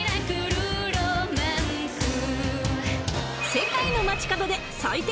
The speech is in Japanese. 世界の街角で採点